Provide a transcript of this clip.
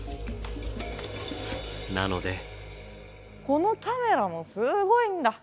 このカメラもすごいんだ。